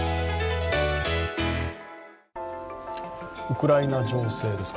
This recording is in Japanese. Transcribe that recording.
ウクライナ情勢です。